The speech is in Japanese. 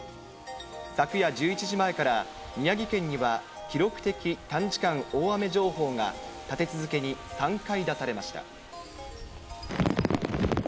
昨夜１１時前から、宮城県には記録的短時間大雨情報が立て続けに３回出されました。